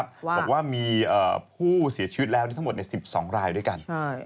บอกว่ามีผู้เสียชีวิตแล้วทั้งหมด๑๒รายด้วยกัน